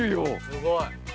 すごい。